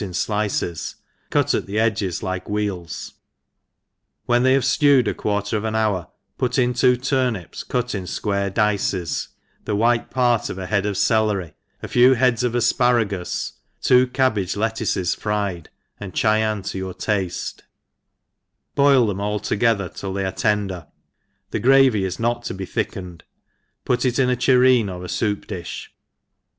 flicesi cut at the edge like wheels; when they have ftewed a quarter of an hour, put in two turnips cut in fquare dices, the white part pf a head of celery, a few heads of afparagus, two cabbage lettuces fried, and Chyan to your, tafte, boil them all together till they are tender, the gravy is not to be thickened ; put it into a tureen, or foup difli.